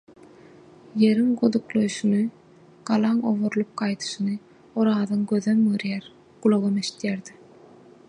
Ýeriň goduklaýşyny, galaň oburlyp gaýdyşyny Orazyň gözem görýär, gulagam eşidýärdi